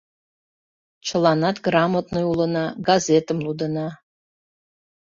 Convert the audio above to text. — Чыланат грамотный улына, газетым лудына».